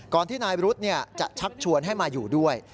ที่นายรุธจะชักชวนให้มาอยู่ด้วย